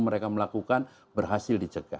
mereka melakukan berhasil dicegah